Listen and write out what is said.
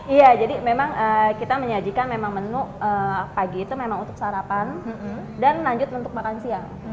iya jadi memang kita menyajikan memang menu pagi itu memang untuk sarapan dan lanjut untuk makan siang